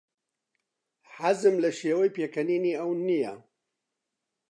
حەزم لە شێوەی پێکەنینی ئەو نییە.